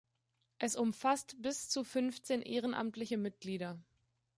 Es umfasst bis zu fünfzehn ehrenamtliche Mitglieder.